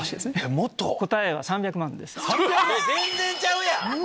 全然ちゃうやん！